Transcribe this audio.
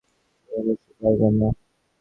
তুমি অবশ্যই পারবে না।